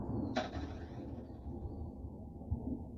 杜宾球孢虫为球孢科球孢虫属的动物。